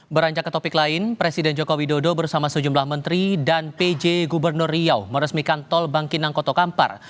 beranjak ke topik lain presiden joko widodo bersama sejumlah menteri dan pj gubernur riau meresmikan tol bangkinang kota kampar